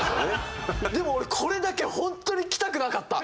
でも俺これだけは本当に来たくなかった！